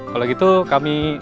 kalau gitu kami